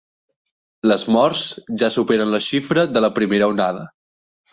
Les morts ja superen la xifra de la primera onada.